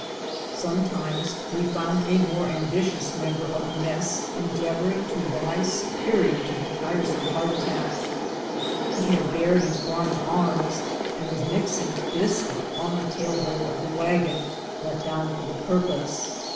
Sometimes we found a more ambi tious member of the mess endeavoring to rise superior to the tiresome hard tack ; he had bared his brawny arms and was mixing biscuit on the tail board of the wagon, let down for the purpose.